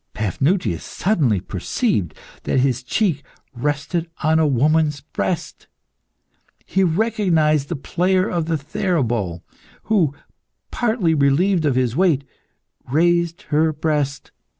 Paphnutius suddenly perceived that his cheek rested on a woman's breast. He recognised the player of the theorbo, who, partly relieved of his weight, raised her breast.